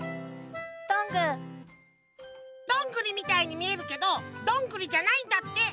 どんぐりみたいにみえるけどどんぐりじゃないんだって。